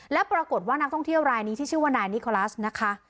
และปรากฏว่านักท่องเที่ยวรายนี้ที่ชื่อว่านายนิโคลัสนะคะ